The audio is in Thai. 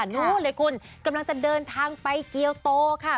นู้นเลยคุณกำลังจะเดินทางไปเกียวโตค่ะ